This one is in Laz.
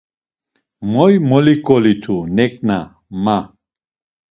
Moy moliǩolitu neǩna, ma.